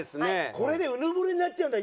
これでうぬぼれになっちゃうんだ